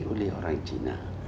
oleh orang cina